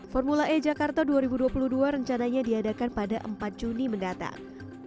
formula e jakarta dua ribu dua puluh dua rencananya diadakan pada empat juni mendatang